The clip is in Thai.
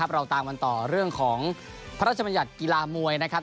เราตามกันต่อเรื่องของพระราชบัญญัติกีฬามวยนะครับ